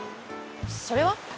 それは？